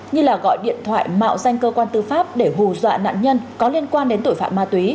như là gọi điện thoại mạo danh cơ quan tư pháp để hù dọa nạn nhân có liên quan đến tội phạm ma túy